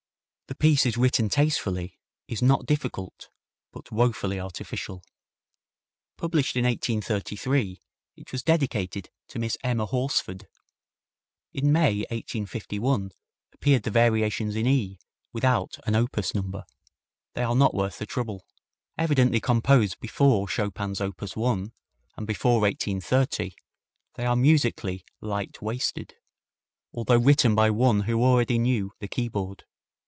The piece is written tastefully, is not difficult, but woefully artificial. Published in 1833, it was dedicated to Miss Emma Horsford. In May, 1851, appeared the Variations in E, without an opus number. They are not worth the trouble. Evidently composed before Chopin's op. 1 and before 1830, they are musically light waisted, although written by one who already knew the keyboard.